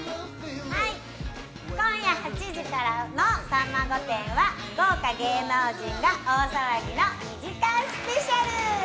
今夜８時からの『さんま御殿！！』は豪華芸能人が大騒ぎの２時間スペシャル！